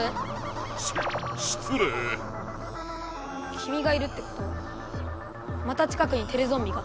きみがいるってことはまた近くにテレゾンビが？